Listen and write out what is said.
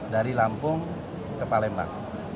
dari lampung ke palembang